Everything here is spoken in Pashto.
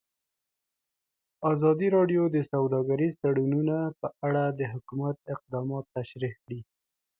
ازادي راډیو د سوداګریز تړونونه په اړه د حکومت اقدامات تشریح کړي.